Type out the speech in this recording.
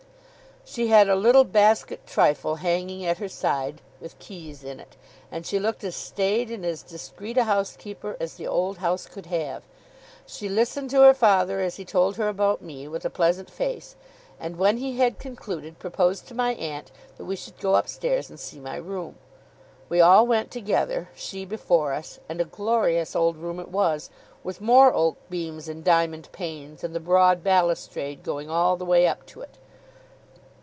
She had a little basket trifle hanging at her side, with keys in it; and she looked as staid and as discreet a housekeeper as the old house could have. She listened to her father as he told her about me, with a pleasant face; and when he had concluded, proposed to my aunt that we should go upstairs and see my room. We all went together, she before us: and a glorious old room it was, with more oak beams, and diamond panes; and the broad balustrade going all the way up to it.